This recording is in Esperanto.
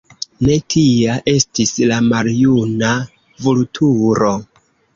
Ne tia estis la maljuna Vulturo.